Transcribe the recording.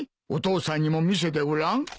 お父さんにも見せてごらん。